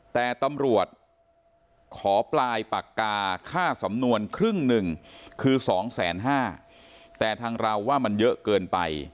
แต่ตำรวจขอปลายปากกาค่าสำนวนครึ่งหนึ่งคือสองแสนห้าแต่ทางเราว่ามันเยอะเกินไป